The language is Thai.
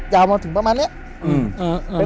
ยาวมาถึงประมาณนี้